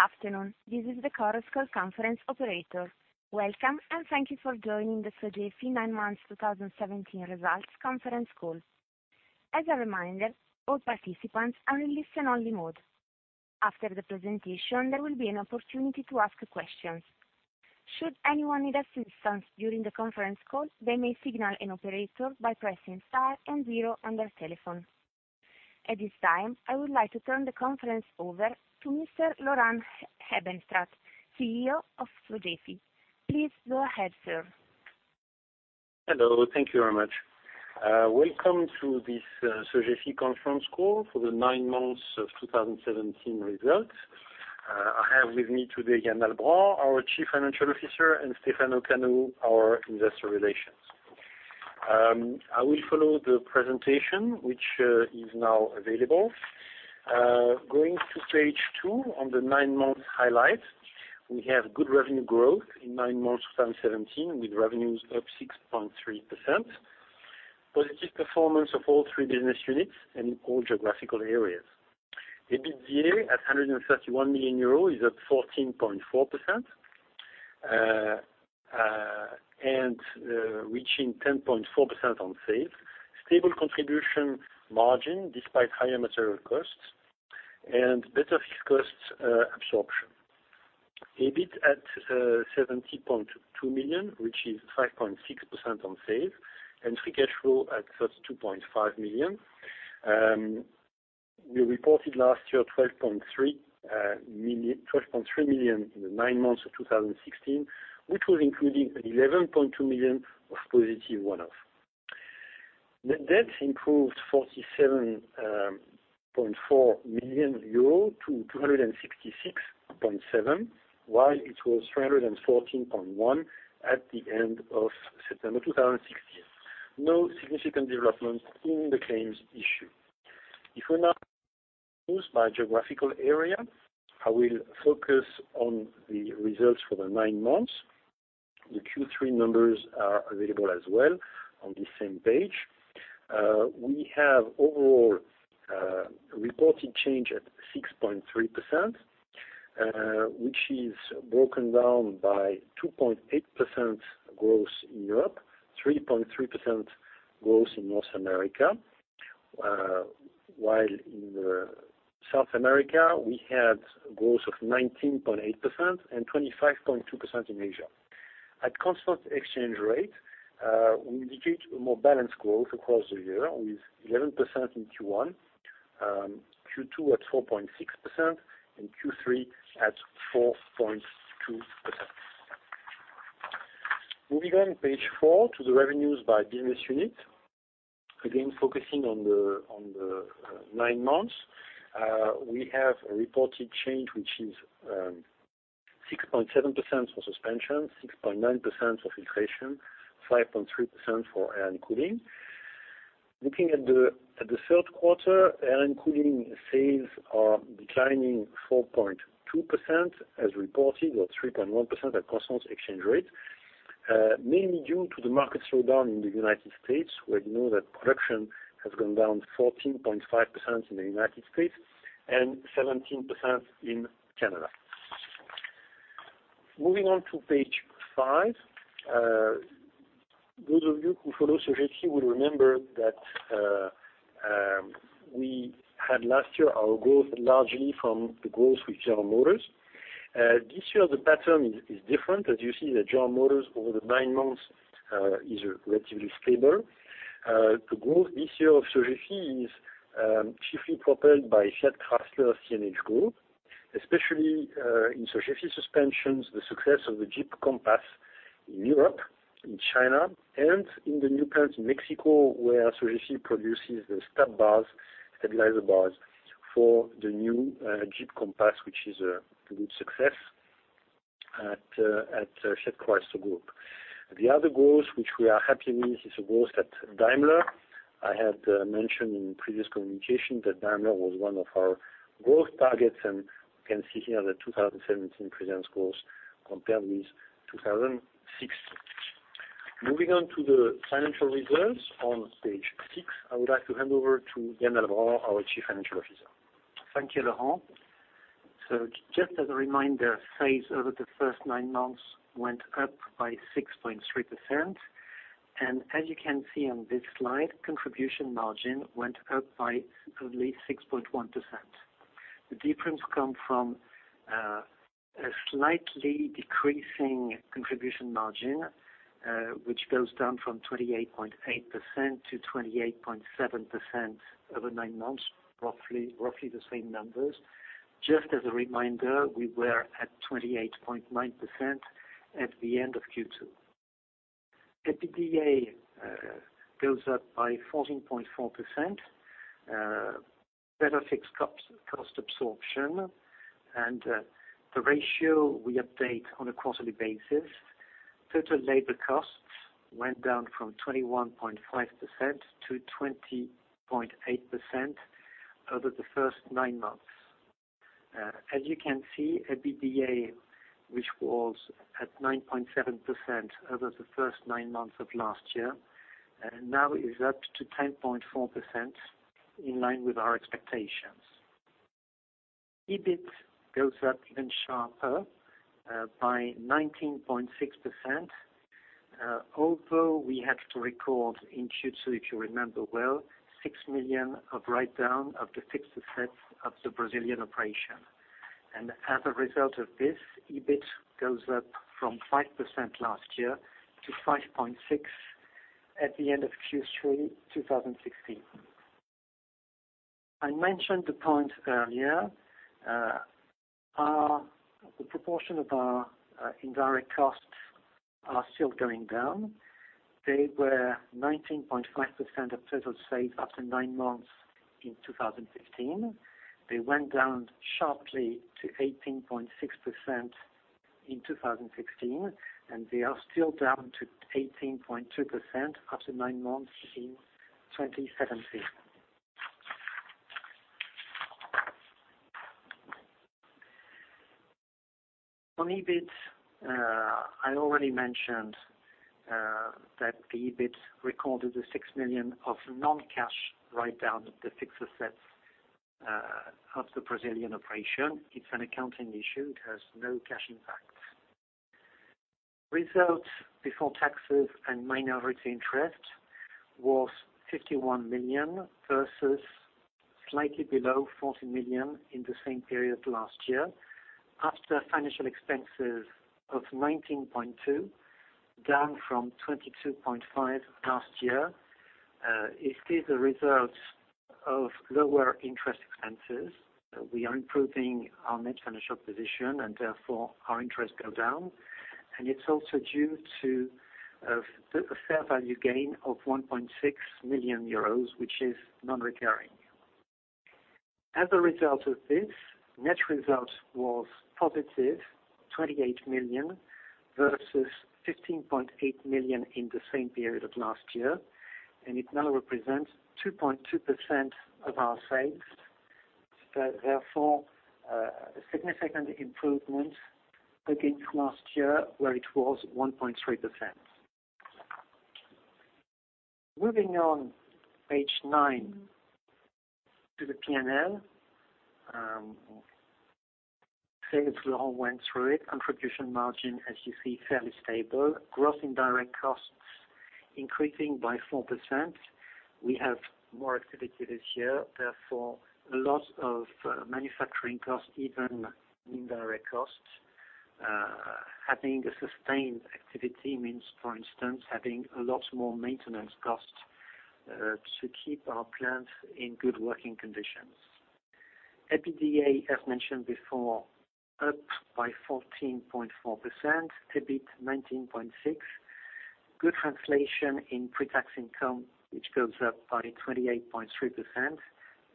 Good afternoon. This is the Chorus Call conference operator. Welcome, and thank you for joining the Sogefi Nine Months 2017 Results Conference Call. As a reminder, all participants are in listen-only mode. After the presentation, there will be an opportunity to ask questions. Should anyone need assistance during the conference call, they may signal an operator by pressing star and zero on their telephone. At this time, I would like to turn the conference over to Mr. Laurent Hebenstreit, CEO of Sogefi. Please go ahead, sir. Hello. Thank you very much. Welcome to this Sogefi conference call for the nine months of 2017 results. I have with me today Yann Albrand, our Chief Financial Officer, and Stefano Canu, our investor relations. I will follow the presentation, which is now available. Going to page two on the nine-month highlights. We have good revenue growth in nine months 2017, with revenues up 6.3%. Positive performance of all three business units and all geographical areas. EBITDA at 131 million euros is up 14.4%, and reaching 10.4% on sales. Stable contribution margin despite higher material costs, and better fixed costs absorption. EBIT at 70.2 million, which is 5.6% on sales, and free cash flow at 32.5 million. We reported last year 12.3 million in the nine months of 2016, which was including 11.2 million of positive one-off. Net debt improved 47.4 million euro to 266.7, while it was 314.1 at the end of September 2016. No significant development in the claims issue. If we now move by geographical area, I will focus on the results for the nine months. The Q3 numbers are available as well on the same page. We have overall reported change at 6.3%, which is broken down by 2.8% growth in Europe, 3.3% growth in North America, while in South America, we had growth of 19.8% and 25.2% in Asia. At constant exchange rate, we indicate a more balanced growth across the year with 11% in Q1, Q2 at 4.6%, and Q3 at 4.2%. Moving on page four to the revenues by business unit. Again, focusing on the nine months, we have a reported change which is 6.7% for suspension, 6.9% for filtration, 5.3% for air and cooling. Looking at the third quarter, air and cooling sales are declining 4.2% as reported or 3.1% at constant exchange rate, mainly due to the market slowdown in the United States, where we know that production has gone down 14.5% in the United States and 17% in Canada. Moving on to page five. Those of you who follow Sogefi will remember that we had last year our growth largely from the growth with General Motors. This year, the pattern is different. As you see that General Motors over the nine months is relatively stable. The growth this year of Sogefi is chiefly propelled by Fiat Chrysler, CNH group, especially in Sogefi suspensions, the success of the Jeep Compass in Europe, in China, and in the new plants in Mexico, where Sogefi produces the stabilizer bars for the new Jeep Compass, which is a good success at Fiat Chrysler group. The other growth which we are happy with is the growth at Daimler. I had mentioned in previous communication that Daimler was one of our growth targets, and you can see here the 2017 presents growth compared with 2016. Moving on to the financial results on page six. I would like to hand over to Yann Albrand, our Chief Financial Officer. Thank you, Laurent. Just as a reminder, sales over the first nine months went up by 6.3%, and as you can see on this slide, contribution margin went up by only 6.1%. The difference come from a slightly decreasing contribution margin, which goes down from 28.8% to 28.7% over nine months, roughly the same numbers. Just as a reminder, we were at 28.9% at the end of Q2. EBITDA goes up by 14.4%, better fixed cost absorption, and the ratio we update on a quarterly basis. Total labor costs went down from 21.5% to 20.8% over the first nine months. As you can see, EBITDA which was at 9.7% over the first nine months of last year, and now is up to 10.4%, in line with our expectations. EBIT goes up even sharper by 19.6%, although we had to record in Q2, if you remember well, 6 million of write-down of the fixed assets of the Brazilian operation. As a result of this, EBIT goes up from 5% last year to 5.6% at the end of Q3 2017. I mentioned the point earlier, the proportion of our indirect costs are still going down. They were 19.5% of total sales after nine months in 2015. They went down sharply to 18.6% in 2016, and they are still down to 18.2% after nine months in 2017. On EBIT, I already mentioned that the EBIT recorded the 6 million of non-cash write-down of the fixed assets of the Brazilian operation. It's an accounting issue. It has no cash impact. Results before taxes and minority interest was 51 million versus slightly below 40 million in the same period last year. After financial expenses of 19.2, down from 22.5 last year, it is a result of lower interest expenses. We are improving our net financial position, therefore, our interest go down, and it's also due to a fair value gain of 1.6 million euros, which is non-recurring. As a result of this, net result was positive, 28 million versus 15.8 million in the same period of last year. It now represents 2.2% of our sales. Therefore, a significant improvement against last year where it was 1.3%. Moving on, page nine, to the P&L. Sales, Laurent went through it. Contribution margin, as you see, fairly stable. Gross indirect costs increasing by 4%. We have more activity this year, therefore, a lot of manufacturing costs, even indirect costs. Having a sustained activity means, for instance, having a lot more maintenance costs to keep our plants in good working conditions. EBITDA, as mentioned before, up by 14.4%, EBIT 19.6%. Good translation in pre-tax income, which goes up by 28.3%,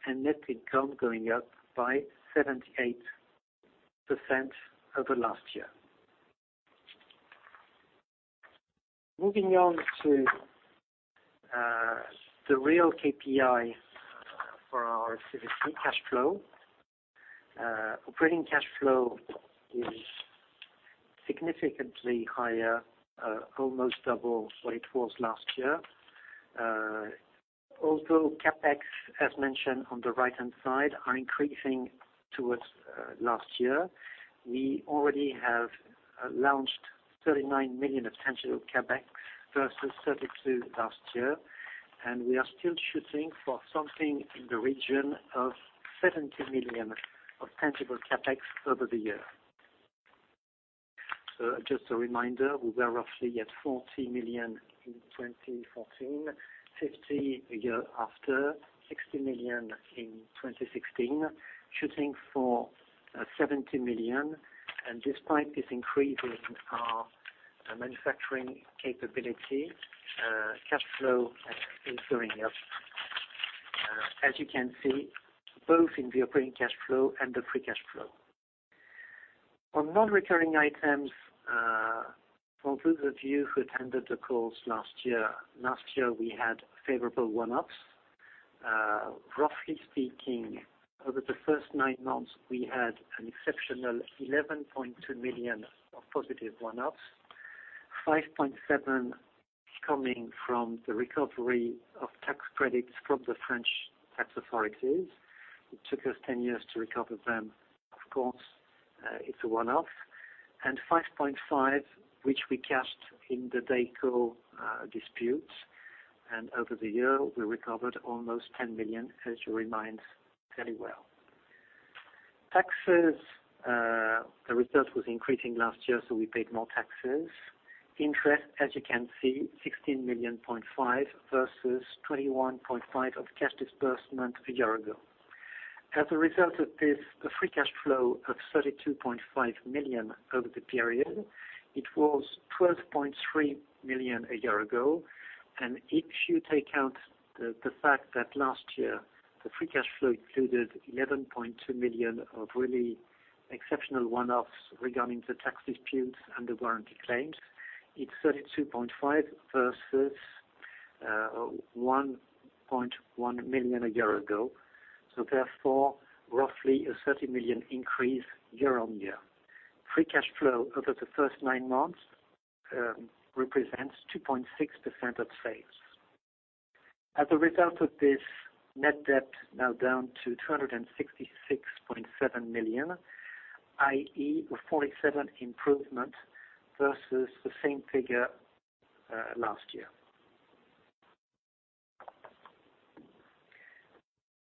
and net income going up by 78% over last year. Moving on to the real KPI for our activity, cash flow. Operating cash flow is significantly higher, almost double what it was last year. Although CapEx, as mentioned on the right-hand side, are increasing towards last year. We already have launched 39 million of tangible CapEx versus 32 million last year, and we are still shooting for something in the region of 70 million of tangible CapEx over the year. Just a reminder, we were roughly at 40 million in 2014, 50 million a year after, 60 million in 2016, shooting for 70 million. Despite this increase in our manufacturing capability, cash flow is going up, as you can see, both in the operating cash flow and the free cash flow. On non-recurring items, for those of you who attended the calls last year, last year we had favorable one-offs. Roughly speaking, over the first nine months, we had an exceptional 11.2 million of positive one-offs, 5.7 million coming from the recovery of tax credits from the French tax authorities. It took us 10 years to recover them. Of course, it's a one-off. 5.5 million, which we cashed in the Dayco disputes. Over the year, we recovered almost 10 million, as you remind very well. Taxes, the result was increasing last year, so we paid more taxes. Interest, as you can see, 16.5 million versus 21.5 million of cash disbursement a year ago. As a result of this, the free cash flow of 32.5 million over the period, it was 12.3 million a year ago. If you take out the fact that last year, the free cash flow included 11.2 million of really exceptional one-offs regarding the tax disputes and the warranty claims, it's 32.5 million versus 1.1 million a year ago. Therefore, roughly a 30 million increase year-on-year. Free cash flow over the first nine months represents 2.6% of sales. As a result of this, net debt now down to 266.7 million, i.e., a 47 million improvement versus the same figure last year.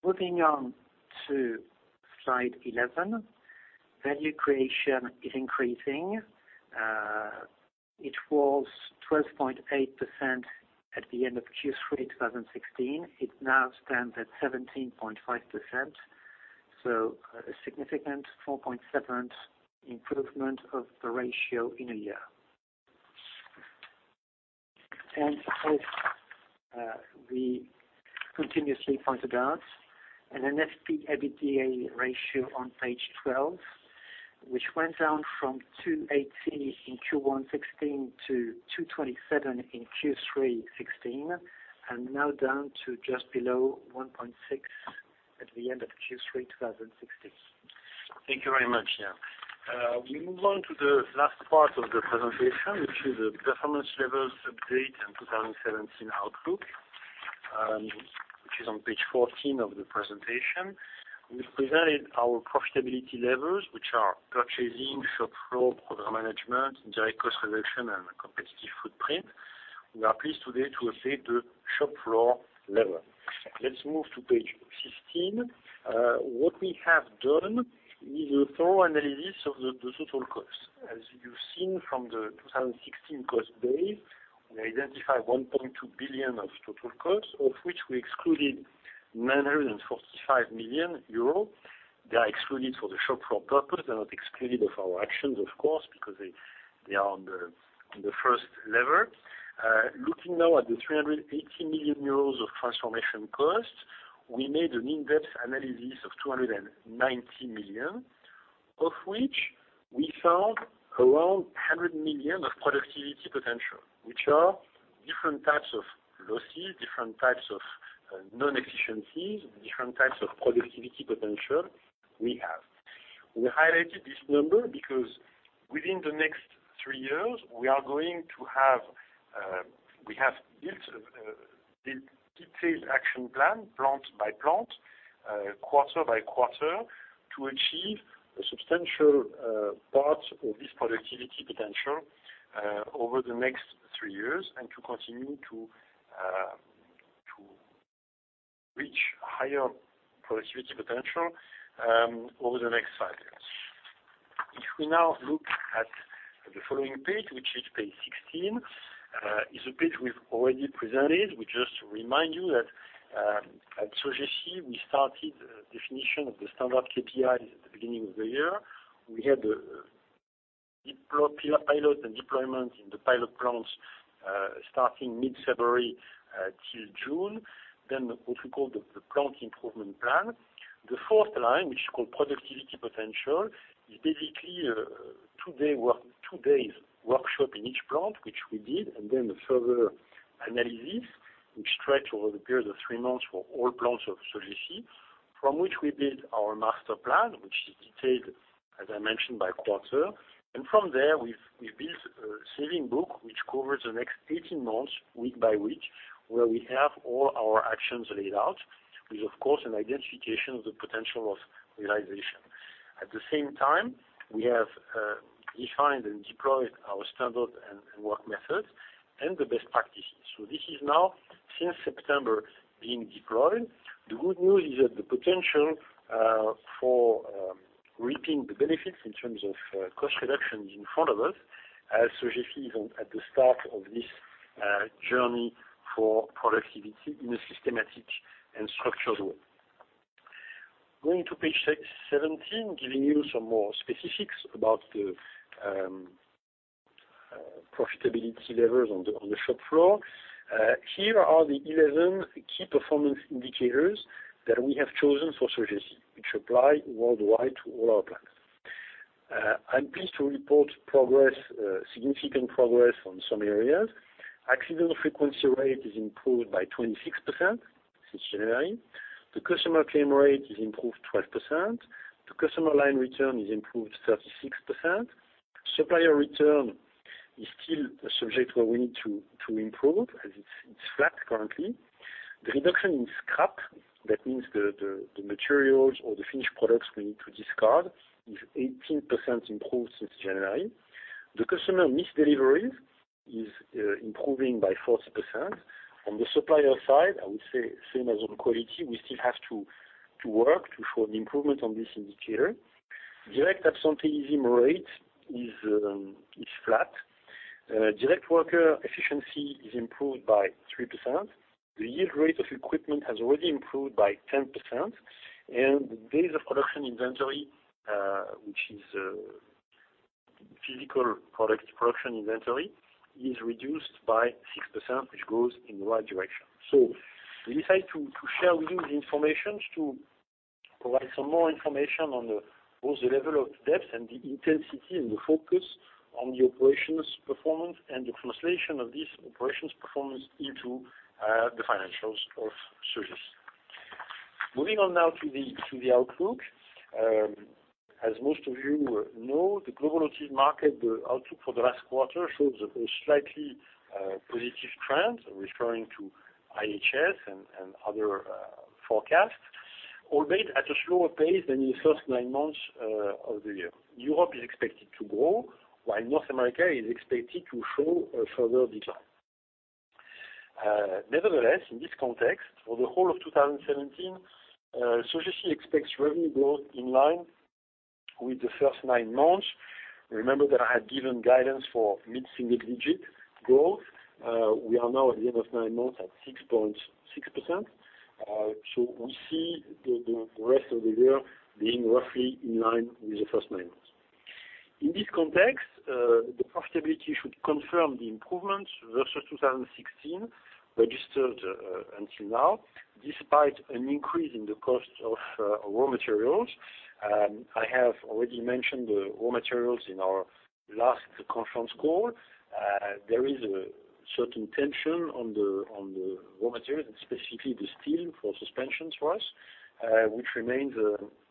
Moving on to slide 11. Value creation is increasing. It was 12.8% at the end of Q3 2016. It now stands at 17.5%. A significant 4.7% improvement of the ratio in a year. As we continuously point it out, an NFP EBITDA ratio on page 12, which went down from 2.8 In Q1 2016 to 2.27 in Q3 2016, and now down to just below 1.6 at the end of Q3 2016. Thank you very much, Yann. We move on to the last part of the presentation, which is the performance levels update and 2017 outlook, which is on page 14 of the presentation. We presented our profitability levels, which are purchasing, shop floor, program management, direct cost reduction, and competitive footprint. We are pleased today to update the shop floor level. Let's move to page 15. What we have done is a thorough analysis of the total cost. As you have seen from the 2016 cost base, we identified 1.2 billion of total cost, of which we excluded 945 million euros. They are excluded for the shop floor purpose. They are not excluded of our actions, of course, because they are on the first level. Looking now at the 380 million euros of transformation costs, we made an in-depth analysis of 290 million, of which we found around 100 million of productivity potential, which are different types of losses, different types of non-efficiencies, different types of productivity potential we have. We highlighted this number because within the next three years, we have built a detailed action plan, plant by plant, quarter by quarter, to achieve a substantial part of this productivity potential, over the next three years and to continue to reach higher productivity potential over the next five years. If we now look at the following page, which is page 16. It is a page we have already presented. We just remind you that, at Sogefi, we started definition of the standard KPIs at the beginning of the year. We had pilot and deployment in the pilot plants, starting mid-February till June. What we call the plant improvement plan. The fourth line, which is called productivity potential, is basically 2 days workshop in each plant, which we did, and a further analysis which stretched over the period of 3 months for all plants of Sogefi, from which we built our master plan, which is detailed, as I mentioned, by quarter. From there, we have built a saving book, which covers the next 18 months, week by week, where we have all our actions laid out with, of course, an identification of the potential of realization. At the same time, we have defined and deployed our standard and work methods and the best practices. This is now, since September, being deployed. The good news is that the potential for reaping the benefits in terms of cost reduction is in front of us, as Sogefi is at the start of this journey for productivity in a systematic and structured way. Going to page 17, giving you some more specifics about the profitability levels on the shop floor. Here are the 11 Key Performance Indicators that we have chosen for Sogefi, which apply worldwide to all our plants. I am pleased to report significant progress on some areas. Accidental frequency rate is improved by 26% since January. The customer claim rate is improved 12%. The customer line return is improved 36%. Supplier return is still a subject where we need to improve, as it is flat currently. The reduction in scrap, that means the materials or the finished products we need to discard, is 18% improved since January. The customer missed deliveries is improving by 40%. On the supplier side, I would say same as on quality, we still have to work to show an improvement on this indicator. Direct absenteeism rate is flat. Direct worker efficiency is improved by 3%. The yield rate of equipment has already improved by 10%, and the days of production inventory, which is physical production inventory, is reduced by 6%, which goes in the right direction. We decided to share with you the information to provide some more information on both the level of depth and the intensity and the focus on the operations performance and the translation of this operations performance into the financials of Sogefi. Moving on now to the outlook. As most of you know, the global automotive market, the outlook for the last quarter shows a slightly positive trend, referring to IHS and other forecasts, albeit at a slower pace than the first nine months of the year. Europe is expected to grow, while North America is expected to show a further decline. Nevertheless, in this context, for the whole of 2017, Sogefi expects revenue growth in line with the first nine months. Remember that I had given guidance for mid-single digit growth. We are now at the end of nine months at 6.6%. We see the rest of the year being roughly in line with the first nine months. In this context, the profitability should confirm the improvements versus 2016 registered until now, despite an increase in the cost of raw materials. I have already mentioned the raw materials in our last conference call. There is a certain tension on the raw materials and specifically the steel for suspensions for us, which remains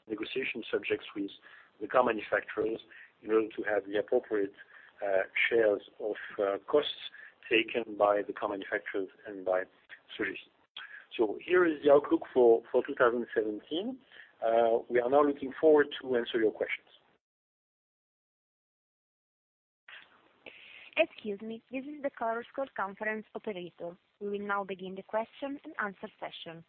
negotiation subjects with the car manufacturers in order to have the appropriate shares of costs taken by the car manufacturers and by Sogefi. Here is the outlook for 2017. We are now looking forward to answer your questions. Excuse me, this is the Chorus Call conference operator. We will now begin the question and answer session.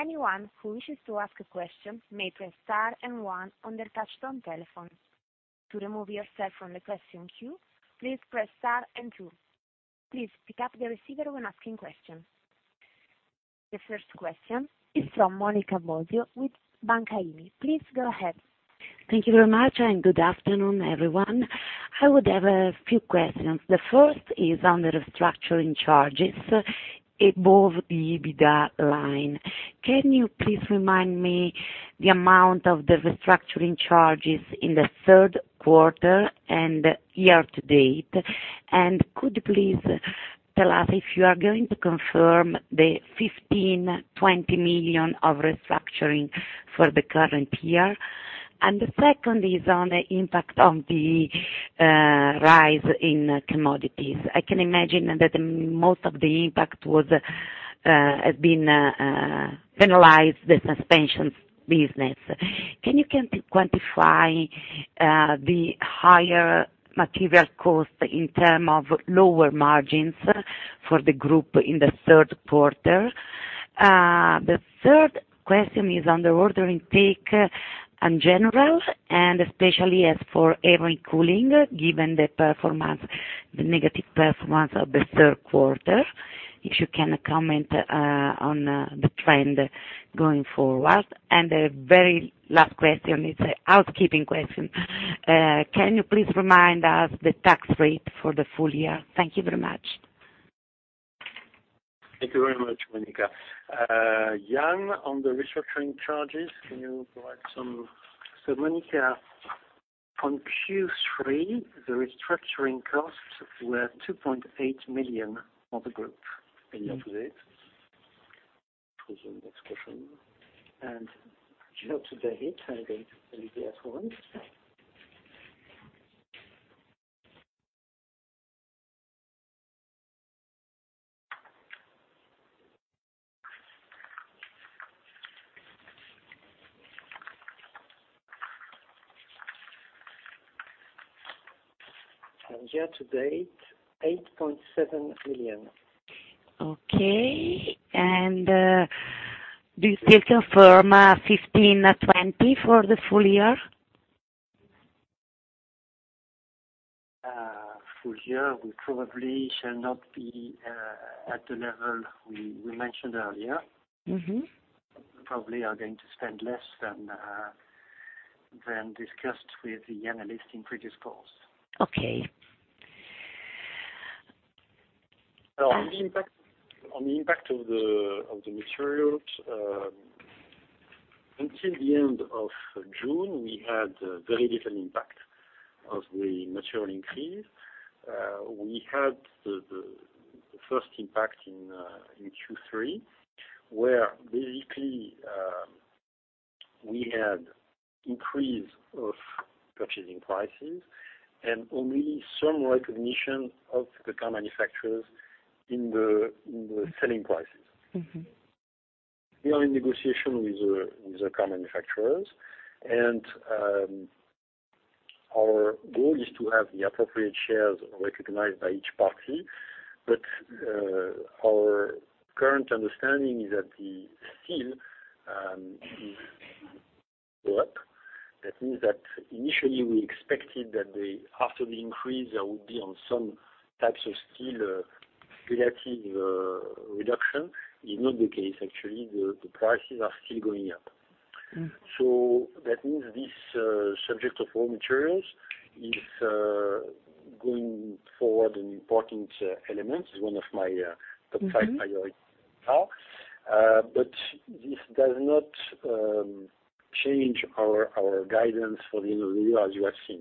Anyone who wishes to ask a question may press star and one on their touch-tone telephone. To remove yourself from the question queue, please press star and two. Please pick up the receiver when asking questions. The first question is from Monica Bosio with Intesa Sanpaolo. Please go ahead. Thank you very much, and good afternoon, everyone. I would have a few questions. The first is on the restructuring charges above the EBITDA line. Can you please remind me the amount of the restructuring charges in the third quarter and year to date? Could you please tell us if you are going to confirm the 15 million-20 million of restructuring for the current year? The second is on the impact on the rise in commodities. I can imagine that most of the impact has been penalized the suspensions business. Can you quantify the higher material cost in terms of lower margins for the group in the third quarter? The third question is on the order intake in general, and especially as for air cooling, given the negative performance of the third quarter. If you can comment on the trend going forward. The very last question is a housekeeping question. Can you please remind us the tax rate for the full year? Thank you very much. Thank you very much, Monica. Yann, on the restructuring charges, can you provide some? Monica, on Q3, the restructuring costs were EUR 2.8 million on the group. year to date. Year to date. Next question. Year to date, EUR 8.7 million. Okay. Do you still confirm 15-20 for the full year? Full year, we probably shall not be at the level we mentioned earlier. We probably are going to spend less than discussed with the analyst in previous calls. Okay. On the impact of the materials, until the end of June, we had very little impact of the material increase. We had the first impact in Q3, where basically we had increase of purchasing prices and only some recognition of the car manufacturers in the selling prices. We are in negotiation with the car manufacturers, our goal is to have the appropriate shares recognized by each party. Our current understanding is that the steel is go up. Initially we expected that after the increase, there would be on some types of steel, relative reduction. It's not the case actually. The prices are still going up. That means Going forward, an important element is one of my top five priorities right now. This does not change our guidance for the end of the year as you have seen.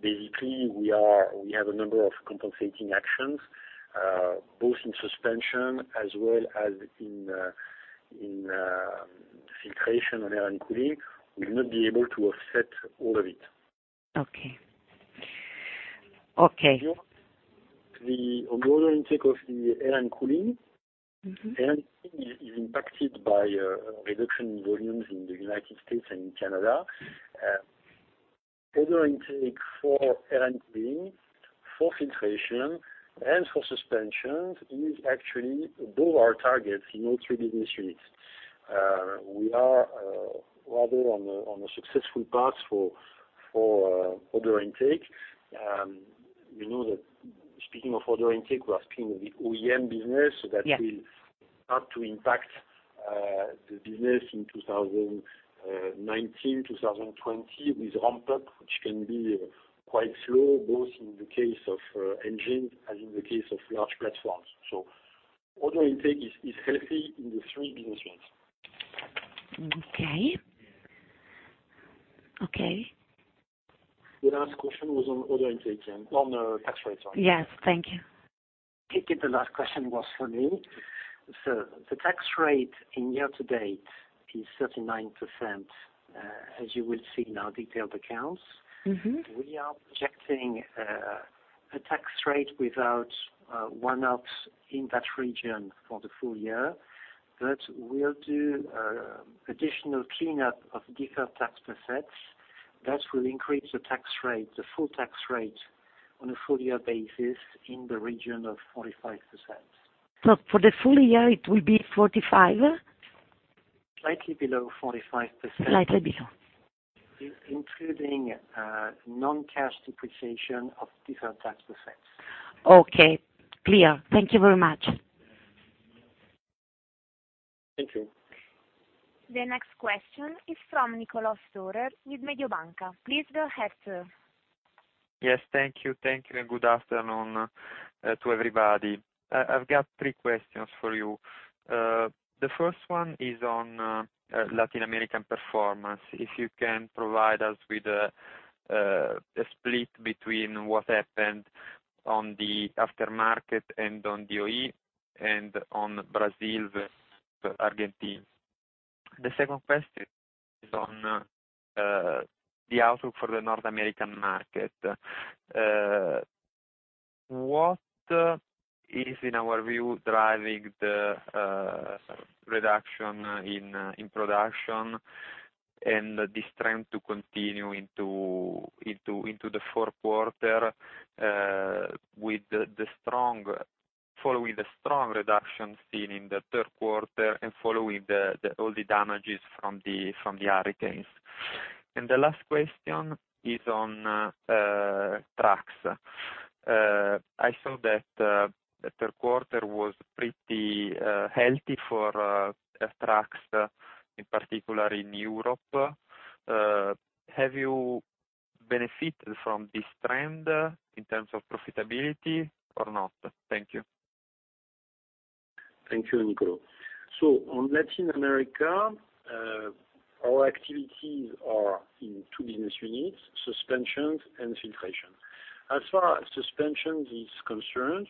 Basically, we have a number of compensating actions, both in suspension as well as in filtration on air and cooling. We'll not be able to offset all of it. Okay. On the order intake of the air and cooling, air and cooling is impacted by a reduction in volumes in the United States and Canada. Order intake for air and cooling, for filtration, and for suspensions is actually above our targets in all three business units. We are rather on a successful path for order intake. We know that speaking of order intake, we are speaking of the OEM business. Yes. That will start to impact the business in 2019, 2020 with ramp-up, which can be quite slow, both in the case of engines as in the case of large platforms. Order intake is healthy in the three business units. Okay. The last question was on order intake and on the tax rate. Yes. Thank you. If the last question was for me. The tax rate in year-to-date is 39%, as you will see in our detailed accounts. We are projecting a tax rate without one-offs in that region for the full year, but we will do additional cleanup of deferred tax assets that will increase the tax rate, the full tax rate on a full-year basis in the region of 45%. For the full year, it will be 45? Slightly below 45%. Slightly below. Including non-cash depreciation of deferred tax assets. Okay. Clear. Thank you very much. Thank you. The next question is from Niccolò Storer with Mediobanca. Please go ahead, sir. Yes. Thank you. Thank you. Good afternoon to everybody. I've got three questions for you. The first one is on Latin American performance. If you can provide us with a split between what happened on the aftermarket and on OE and on Brazil versus Argentina. The second question is on the outlook for the North American market. What is, in our view, driving the reduction in production and this trend to continue into the fourth quarter following the strong reduction seen in the third quarter and following all the damages from the hurricanes. The last question is on trucks. I saw that the third quarter was pretty healthy for trucks, in particular in Europe. Have you benefited from this trend in terms of profitability or not? Thank you. Thank you, Niccolò. On Latin America, our activities are in two business units, suspensions and filtration. As far as suspensions is concerned,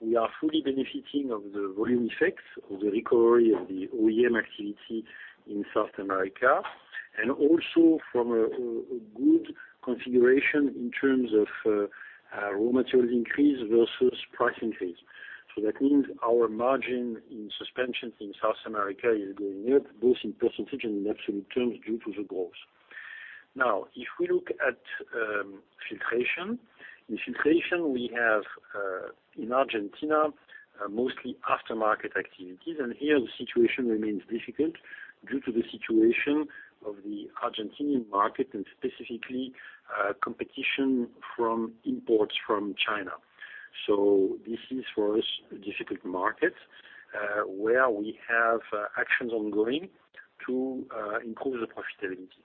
we are fully benefiting of the volume effects of the recovery of the OEM activity in South America, and also from a good configuration in terms of raw material increase versus price increase. That means our margin in suspensions in South America is going up, both in percentage and in absolute terms, due to the growth. Now, if we look at filtration. In filtration, we have, in Argentina, mostly aftermarket activities, and here the situation remains difficult due to the situation of the Argentinian market, and specifically competition from imports from China. This is, for us, a difficult market, where we have actions ongoing to improve the profitability.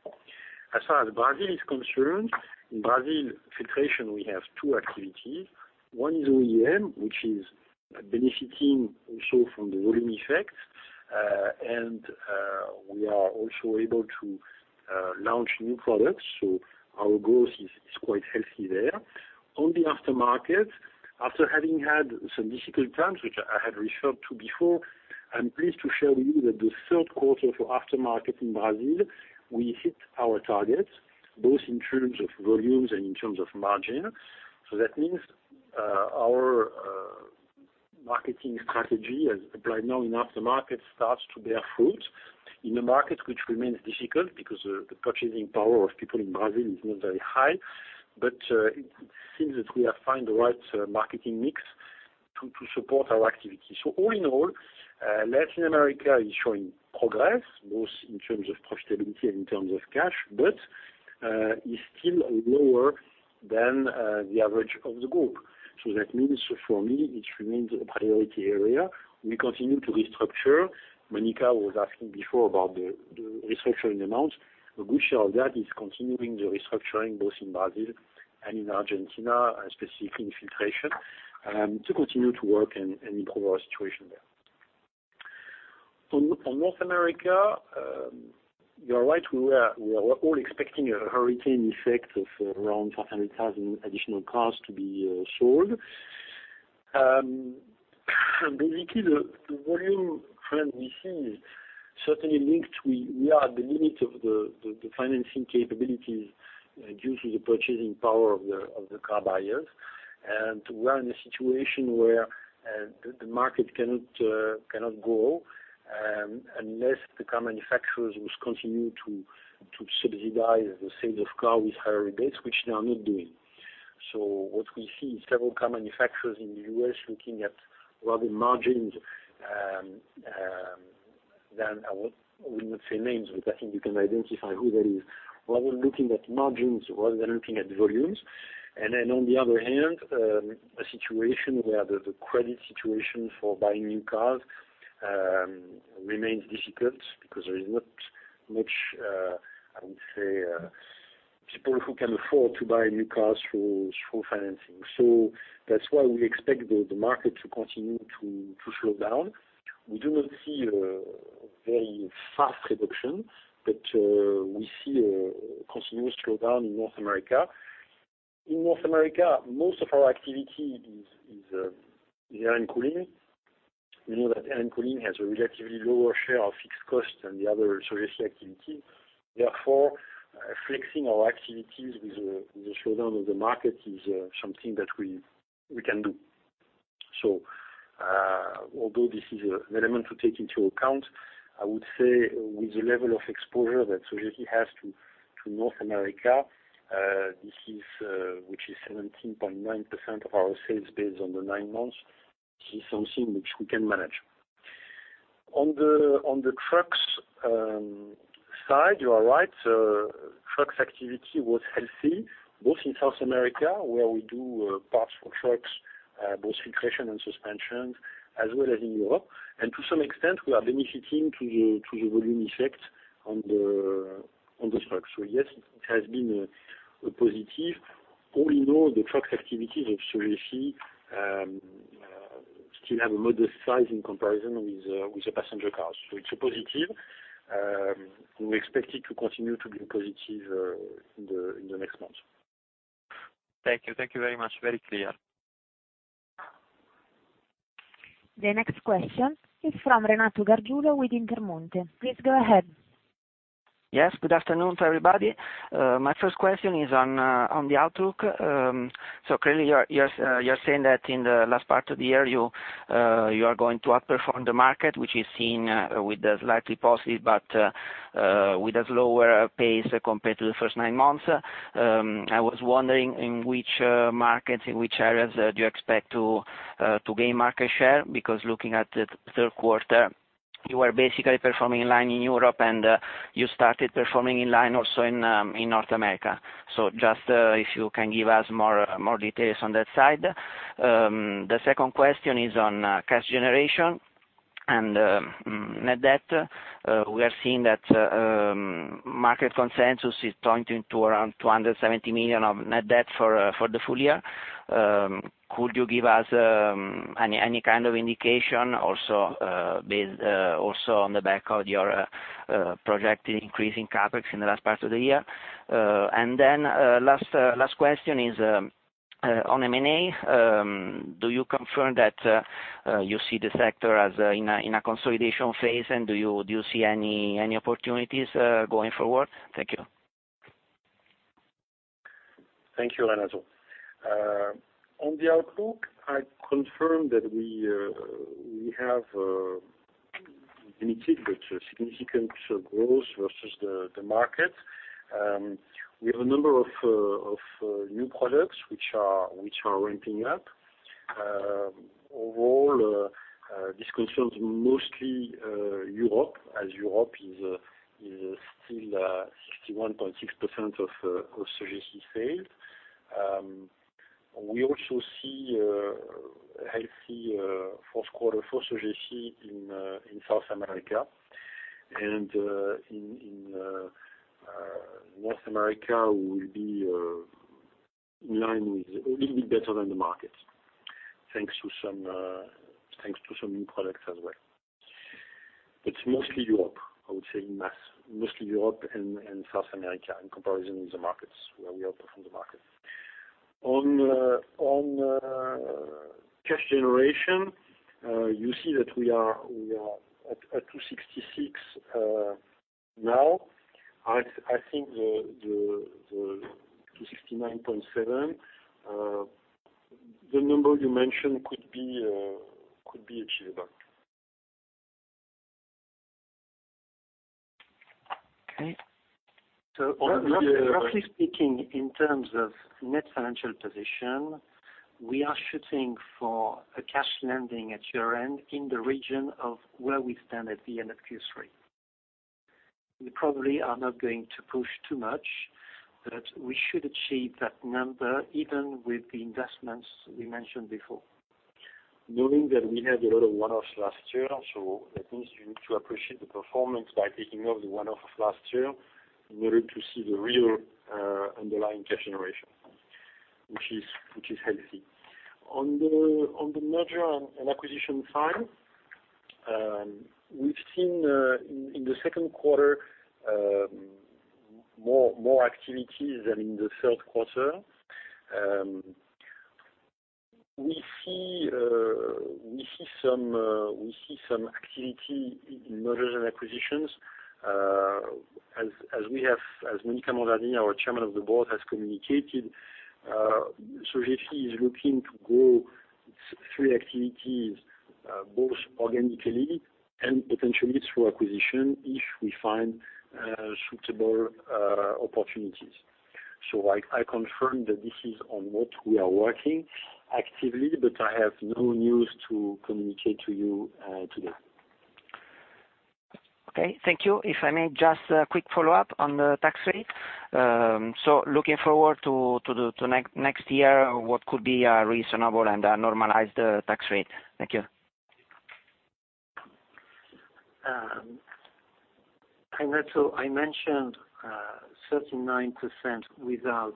As far as Brazil is concerned, in Brazil, filtration, we have two activities. One is OEM, which is benefiting also from the volume effect. We are also able to launch new products, our growth is quite healthy there. On the aftermarket, after having had some difficult times, which I had referred to before, I'm pleased to share with you that the third quarter for aftermarket in Brazil, we hit our targets, both in terms of volumes and in terms of margin. That means our marketing strategy, as applied now in aftermarket, starts to bear fruit in a market which remains difficult because the purchasing power of people in Brazil is not very high. It seems that we have found the right marketing mix to support our activity. All in all, Latin America is showing progress, both in terms of profitability and in terms of cash, but is still lower than the average of the group. That means for me, it remains a priority area. We continue to restructure. Monica was asking before about the restructuring amounts. A good share of that is continuing the restructuring both in Brazil and in Argentina, specifically in filtration, to continue to work and improve our situation there. On North America, you are right, we were all expecting a hurricane effect of around 500,000 additional cars to be sold. Basically, the volume trend we see is certainly linked. We are at the limit of the financing capabilities due to the purchasing power of the car buyers. We are in a situation where the market cannot grow unless the car manufacturers will continue to subsidize the sales of cars with higher rates, which they are not doing. What we see is several car manufacturers in the U.S. looking at rather margins than I will not say names, but I think you can identify who that is. Rather looking at margins rather than looking at volumes. Then on the other hand, a situation where the credit situation for buying new cars remains difficult because there is not much, I would say, people who can afford to buy a new car through financing. That's why we expect the market to continue to slow down. We do not see a very fast reduction, but we see a continuous slowdown in North America. In North America, most of our activity is air and cooling. You know that air and cooling has a relatively lower share of fixed costs than the other Sogefi activity. Flexing our activities with the slowdown of the market is something that we can do. Although this is an element to take into account, I would say with the level of exposure that Sogefi has to North America, which is 17.9% of our sales base on the nine months, this is something which we can manage. On the trucks side, you are right. Trucks activity was healthy, both in South America, where we do parts for trucks, both filtration and suspensions, as well as in Europe. To some extent, we are benefiting to the volume effect on the trucks. Yes, it has been a positive. All in all, the trucks activities of Sogefi still have a modest size in comparison with the passenger cars. It's a positive. We expect it to continue to be positive in the next months. Thank you. Thank you very much. Very clear. The next question is from Renato Gargiulo with Intermonte. Please go ahead. Yes, good afternoon to everybody. My first question is on the outlook. Clearly you're saying that in the last part of the year, you are going to outperform the market, which is seen with a slightly positive but with a slower pace compared to the first nine months. I was wondering in which markets, in which areas do you expect to gain market share, because looking at the third quarter, you are basically performing in line in Europe and you started performing in line also in North America. Just if you can give us more details on that side. The second question is on cash generation and net debt. We are seeing that market consensus is pointing to around 270 million of net debt for the full year. Could you give us any kind of indication also on the back of your projected increase in CapEx in the last part of the year? Last question is on M&A. Do you confirm that you see the sector as in a consolidation phase, and do you see any opportunities going forward? Thank you. Thank you, Renato. On the outlook, I confirm that we have limited but significant growth versus the market. We have a number of new products which are ramping up. Overall, this concerns mostly Europe, as Europe is still 61.6% of Sogefi sales. We also see a healthy fourth quarter for Sogefi in South America, and in North America, we will be in line with a little bit better than the market, thanks to some new products as well. It's mostly Europe, I would say, mostly Europe and South America in comparison with the markets where we outperform the market. On cash generation, you see that we are at 266 now. I think the 269.7, the number you mentioned could be achievable. Okay. So on the- Roughly speaking, in terms of net financial position, we are shooting for a cash landing at year-end in the region of where we stand at the end of Q3. We probably are not going to push too much, but we should achieve that number even with the investments we mentioned before. Knowing that we had a lot of one-offs last year, that means you need to appreciate the performance by taking off the one-off of last year in order to see the real underlying cash generation, which is healthy. On the merger and acquisition side, we've seen in the second quarter more activities than in the third quarter. We see some activity in mergers and acquisitions. As Monica Mondardini, our Chairman of the Board, has communicated, Sogefi is looking to grow its three activities, both organically and potentially through acquisition if we find suitable opportunities. I confirm that this is on what we are working actively, but I have no news to communicate to you today. Okay, thank you. If I may, just a quick follow-up on the tax rate. Looking forward to next year, what could be a reasonable and a normalized tax rate? Thank you. I mentioned 39% without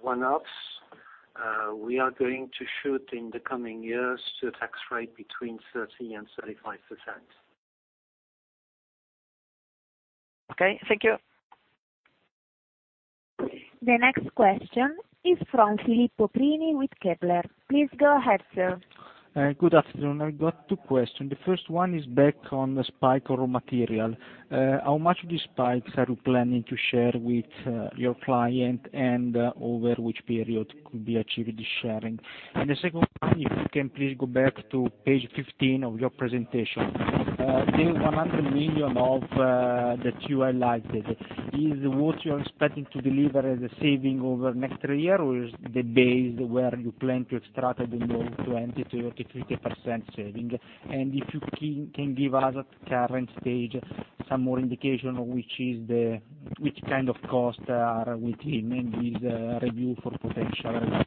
one-offs. We are going to shoot in the coming years to a tax rate between 30% and 35%. Okay, thank you. The next question is from Filippo Prini with Kepler. Please go ahead, sir. Good afternoon. I've got two questions. The first one is back on the spike of raw material. How much of these spikes are you planning to share with your client, and over which period could be achieved, this sharing? The second one, if you can please go back to page 15 of your presentation. The 100 million that you highlighted, is it what you are expecting to deliver as a saving over the next three years or is the base where you plan to extract the low 20%, 30%, 33% saving? If you can give us at current stage some more indication of which kind of costs are within this review for potential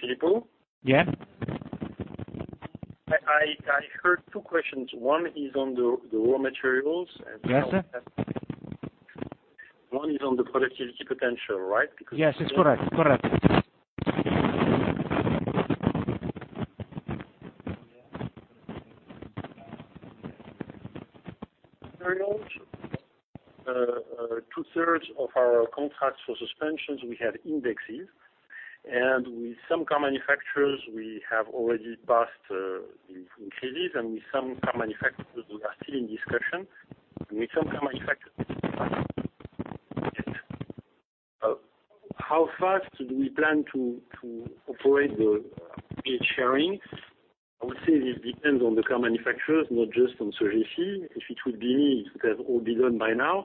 Filippo? Yeah. I heard two questions. One is on the raw materials- Yes, sir One is on the productivity potential, right? Yes, it's correct. Two-thirds of our contracts for suspensions, we have indexes. With some car manufacturers, we have already passed the increases, and with some car manufacturers, we are still in discussion. With some car manufacturers how fast do we plan to operate the cost sharing? I would say this depends on the car manufacturers, not just on Sogefi. If it would be me, it would have all been done by now.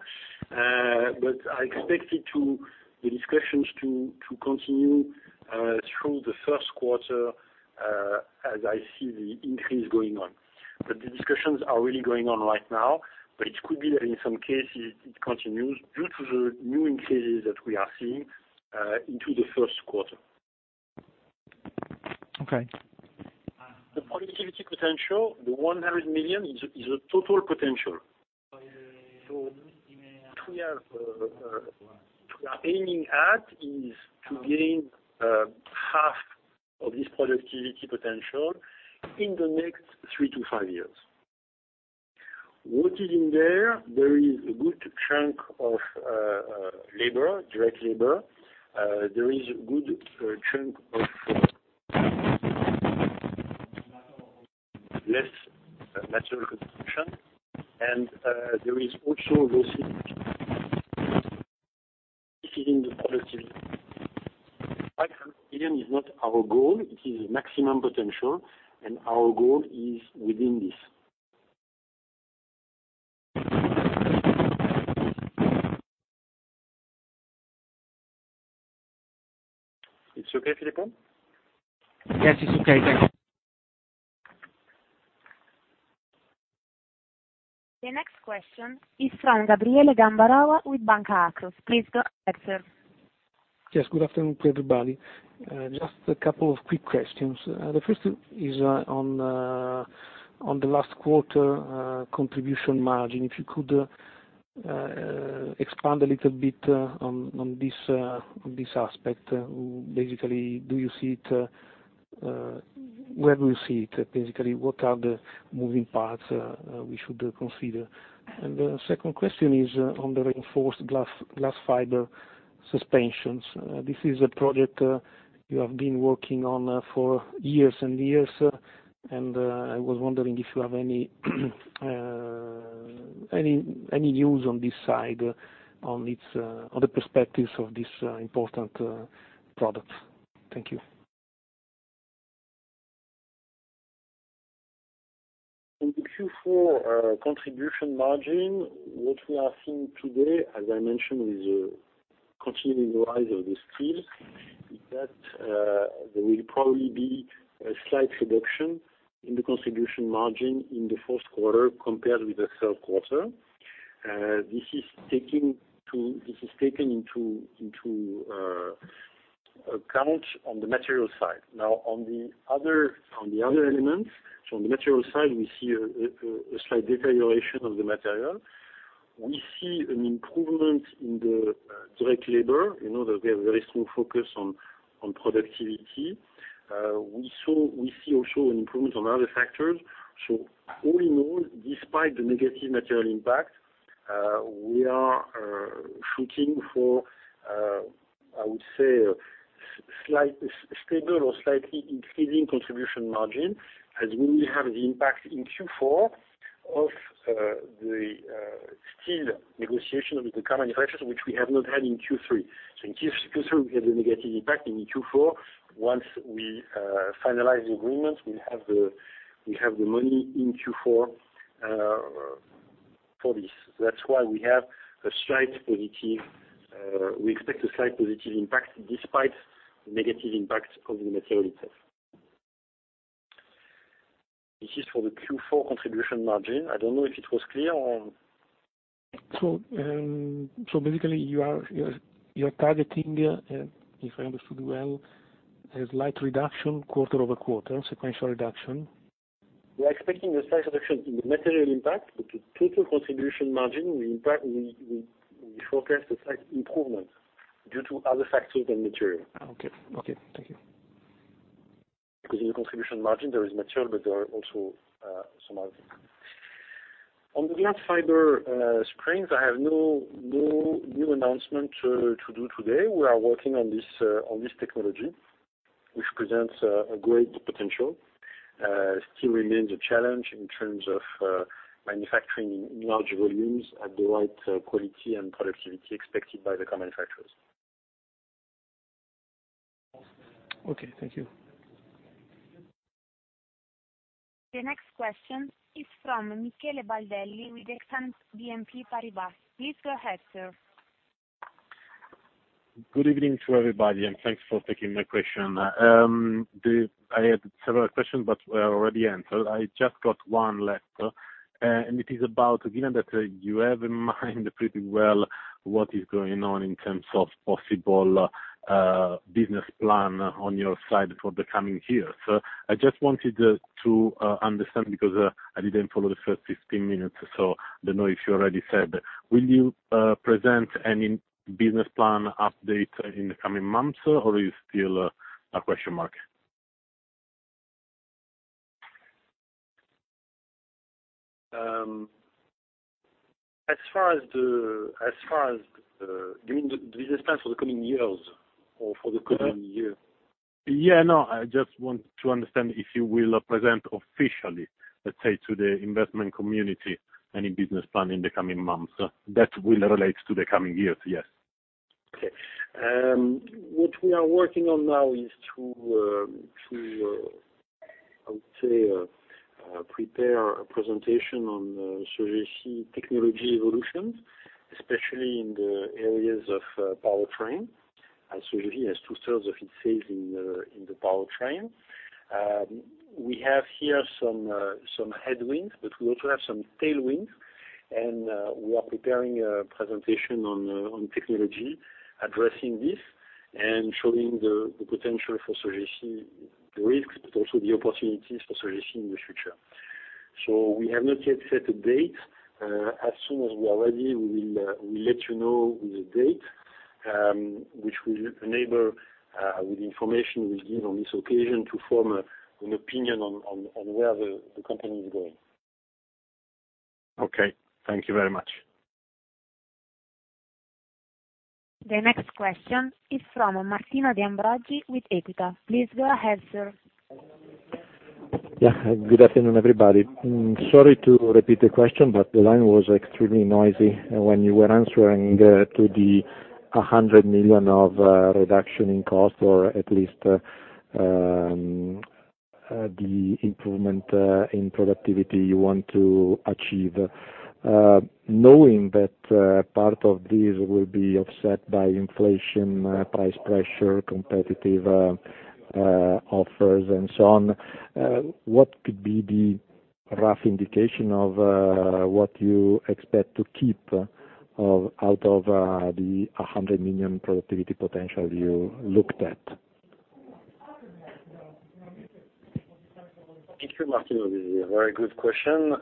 I expect the discussions to continue through the first quarter, as I see the increase going on. The discussions are really going on right now. It could be that in some cases it continues due to the new increases that we are seeing into the first quarter. Okay. The productivity potential, the 100 million is a total potential. What we are aiming at is to gain half of this productivity potential in the next three to five years. What is in there? There is a good chunk of labor, direct labor. There is a good chunk of less natural consumption. There is also in the productivity. EUR 100 million is not our goal. It is maximum potential, and our goal is within this. It's okay, Filippo? Yes, it's okay. Thank you. The next question is from Gabriele Gambarova with Banca Akros. Please go ahead, sir. Yes, good afternoon to everybody. Just a couple of quick questions. The first is on the last quarter contribution margin. If you could expand a little bit on this aspect. Basically, where do you see it? Basically, what are the moving parts we should consider? The second question is on the reinforced glass fiber suspensions. This is a project you have been working on for years and years, and I was wondering if you have any news on this side, on the perspectives of this important product. Thank you. Q4 contribution margin. What we are seeing today, as I mentioned, with the continuing rise of the steel, is that there will probably be a slight reduction in the contribution margin in the first quarter compared with the third quarter. This is taken into account on the material side. On the other elements, on the material side, we see a slight deterioration of the material. We see an improvement in the direct labor. You know that we have a very strong focus on productivity. We see also an improvement on other factors. All in all, despite the negative material impact, we are shooting for, I would say, stable or slightly increasing contribution margin as we have the impact in Q4 of the steel negotiation with the car manufacturers, which we have not had in Q3. In Q3, we have the negative impact. In Q4, once we finalize the agreement, we have the money in Q4 for this. That's why we expect a slight positive impact despite the negative impact of the material itself. This is for the Q4 contribution margin. I don't know if it was clear. Basically, you are targeting, if I understood well, a slight reduction quarter-over-quarter, sequential reduction. We are expecting a slight reduction in the material impact, but the total contribution margin, we forecast a slight improvement due to other factors than material. Okay. Thank you. In the contribution margin, there is material, but there are also some others. On the glass fiber springs, I have no new announcement to do today. We are working on this technology, which presents a great potential. Remains a challenge in terms of manufacturing in large volumes at the right quality and productivity expected by the car manufacturers. Okay, thank you. The next question is from Michele Baldelli with Exane BNP Paribas. Please go ahead, sir. Good evening to everybody, thanks for taking my question. I had several questions, were already answered. I just got one left, it is about, given that you have in mind pretty well what is going on in terms of possible business plan on your side for the coming years. I just wanted to understand because I didn't follow the first 15 minutes, I don't know if you already said. Will you present any business plan update in the coming months, or is it still a question mark? As far as the business plans for the coming years or for the coming year? Yeah. No, I just want to understand if you will present officially, let's say, to the investment community, any business plan in the coming months that will relate to the coming years, yes. Okay. What we are working on now is to, I would say, prepare a presentation on Sogefi technology evolution, especially in the areas of powertrain, as Sogefi has two-thirds of its sales in the powertrain. We have here some headwinds, but we also have some tailwinds, and we are preparing a presentation on technology addressing this and showing the potential for Sogefi, the risks, but also the opportunities for Sogefi in the future. We have not yet set a date. As soon as we are ready, we will let you know with a date, which will enable with the information we give on this occasion to form an opinion on where the company is going. Okay. Thank you very much. The next question is from Martino De Ambroggi with Equita. Please go ahead, sir. Good afternoon, everybody. Sorry to repeat the question, the line was extremely noisy when you were answering to the 100 million of reduction in cost or at least the improvement in productivity you want to achieve. Knowing that part of this will be offset by inflation, price pressure, competitive offers, and so on, what could be the rough indication of what you expect to keep out of the 100 million productivity potential you looked at? Thank you, Martino. This is a very good question.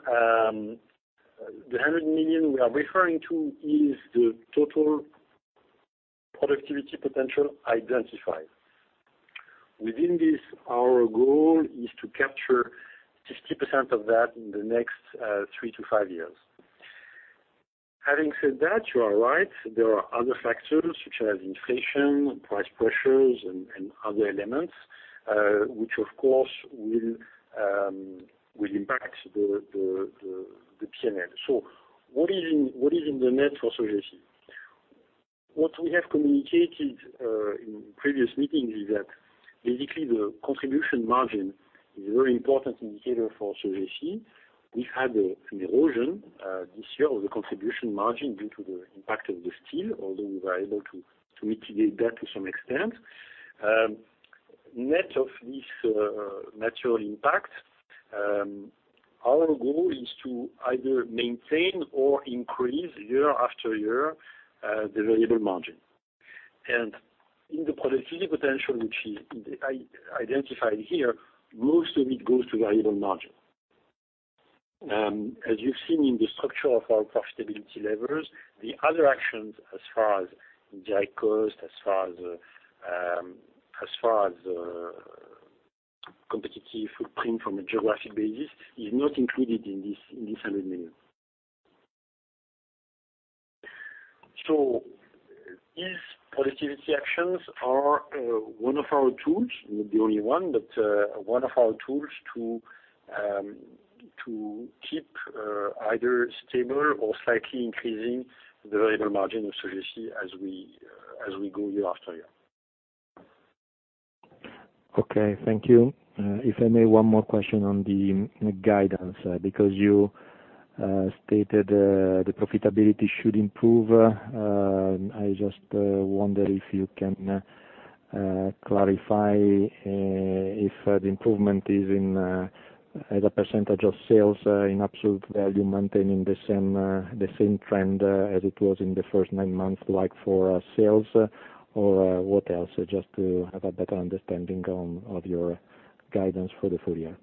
The 100 million we are referring to is the total productivity potential identified. Within this, our goal is to capture 60% of that in the next 3 to 5 years. Having said that, you are right. There are other factors such as inflation, price pressures, and other elements, which, of course, will impact the P&L. What is in the net for Sogefi? What we have communicated in previous meetings is that basically the contribution margin is a very important indicator for Sogefi. We had an erosion this year of the contribution margin due to the impact of the steel, although we were able to mitigate that to some extent. Net of this natural impact, our goal is to either maintain or increase year after year, the variable margin. In the productivity potential, which is identified here, most of it goes to variable margin. As you've seen in the structure of our profitability levels, the other actions as far as direct costs, as far as competitive footprint from a geographic basis is not included in this 100 million. These productivity actions are one of our tools, not the only one of our tools to keep either stable or slightly increasing the variable margin of Sogefi as we go year after year. Okay, thank you. If I may, one more question on the guidance, because you stated the profitability should improve. I just wonder if you can clarify if the improvement is as a percentage of sales in absolute value, maintaining the same trend as it was in the first nine months, like for sales or what else? Just to have a better understanding of your guidance for the full year.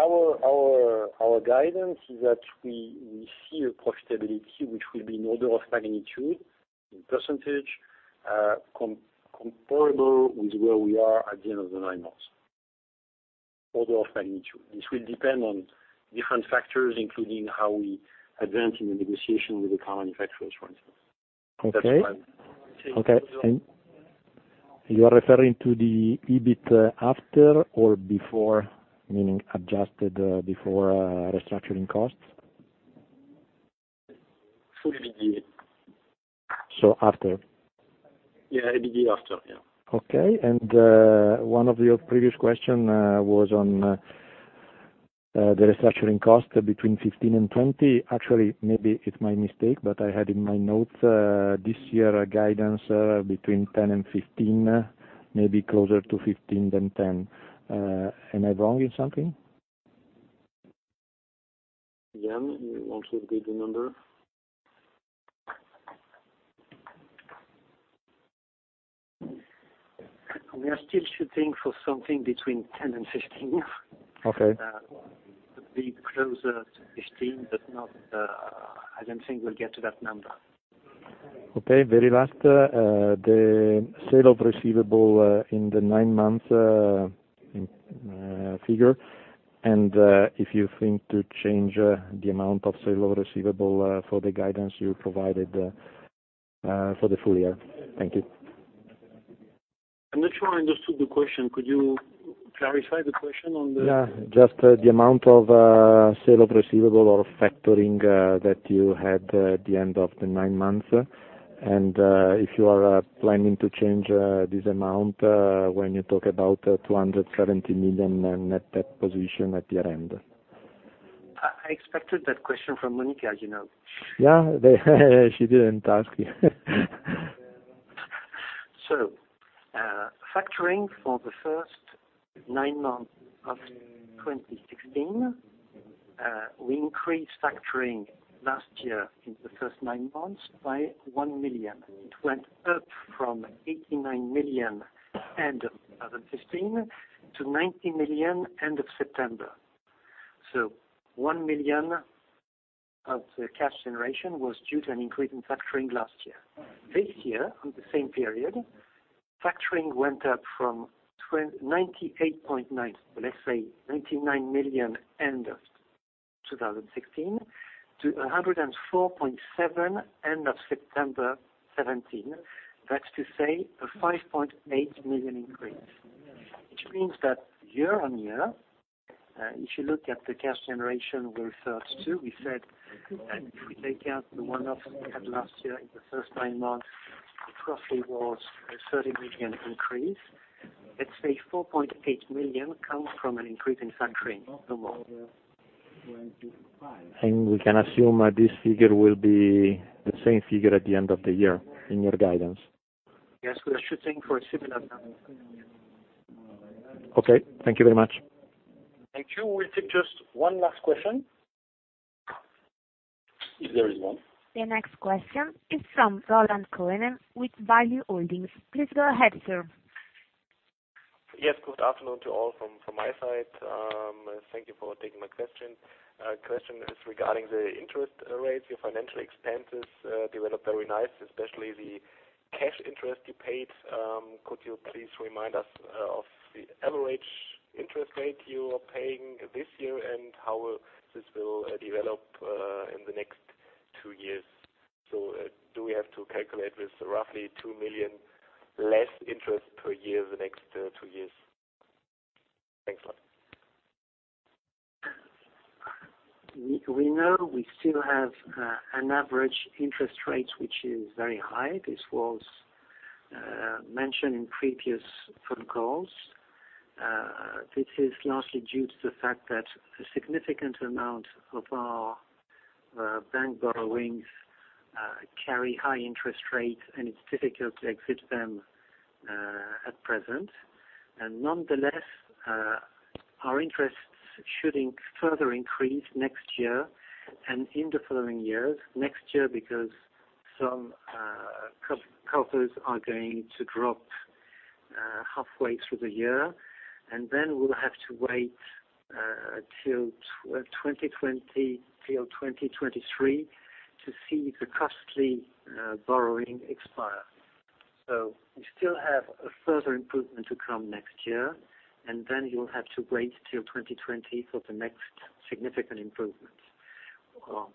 Our guidance is that we see a profitability which will be an order of magnitude in percentage, comparable with where we are at the end of the nine months. Order of magnitude. This will depend on different factors, including how we advance in the negotiation with the car manufacturers, for instance. Okay. You are referring to the EBIT after or before, meaning adjusted before restructuring costs? Full EBIT. After. Yeah. EBIT after, yeah. Okay. One of your previous question was on the restructuring cost between 15 and 20. Actually, maybe it's my mistake, but I had in my notes this year a guidance between 10 and 15, maybe closer to 15 than 10. Am I wrong in something? Yann, you want to give the number? We are still shooting for something between 10 and 15. Okay. A bit closer to 15, but I don't think we'll get to that number. Okay, very last. The sale of receivable in the nine months figure, and if you think to change the amount of sale of receivable for the guidance you provided for the full year. Thank you. I'm not sure I understood the question. Could you clarify the question on the. Yeah. Just the amount of sale of receivable or factoring that you had at the end of the nine months, and if you are planning to change this amount when you talk about 270 million net debt position at year-end. I expected that question from Monica, as you know. Yeah. She didn't ask you. Factoring for the first nine months of 2016, we increased factoring last year in the first nine months by 1 million. It went up from 89 million end of 2015 to 90 million end of September. 1 million of the cash generation was due to an increase in factoring last year. This year, on the same period, factoring went up from 98.9, let's say 99 million end of 2016 to 104.7 end of September 2017. That's to say a 5.8 million increase, which means that year-on-year, if you look at the cash generation we referred to, we said if we take out the one-offs we had last year in the first nine months, the profit was a 30 million increase. Let's say 4.8 million comes from an increase in factoring. No more. We can assume this figure will be the same figure at the end of the year in your guidance. Yes, we are shooting for a similar number. Okay. Thank you very much. Thank you. We'll take just one last question, if there is one. The next question is from Roland Cohen with Value Holdings. Please go ahead, sir. Yes, good afternoon to all from my side. Thank you for taking my question. Question is regarding the interest rates. Your financial expenses developed very nice, especially the cash interest you paid. Could you please remind us of the average interest rate you are paying this year, and how this will develop in the next two years? Do we have to calculate with roughly 2 million less interest per year the next two years? Thanks a lot. We know we still have an average interest rate, which is very high. This was mentioned in previous phone calls. This is largely due to the fact that a significant amount of our bank borrowings carry high interest rates, and it's difficult to exit them at present. Nonetheless, our interests should further increase next year and in the following years. Next year because some covers are going to drop halfway through the year. Then we'll have to wait till 2023 to see the costly borrowing expire. We still have a further improvement to come next year, you will have to wait till 2020 for the next significant improvement.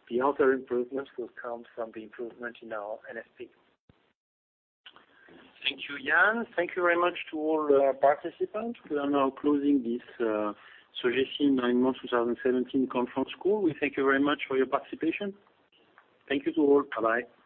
The other improvements will come from the improvement in our NFP. Thank you, Yann. Thank you very much to all participants. We are now closing this Sogefi nine months 2017 conference call. We thank you very much for your participation. Thank you to all. Bye-bye.